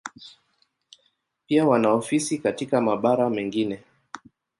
Pia wana ofisi katika mabara mengine.